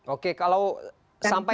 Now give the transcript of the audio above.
oke kalau sampai